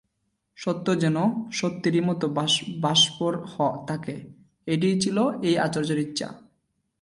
সত্য যেন সত্যেরই মত ভাস্বর থাকে, এটিই ছিল এই আচার্যের ইচ্ছা।